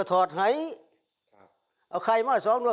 โปรดสัตว์หรือ